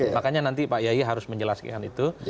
makanya nanti pak yayi harus menjelaskan itu